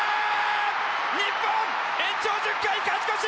日本延長１０回勝ち越し！